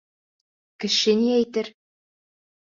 Кеше ни әйтер?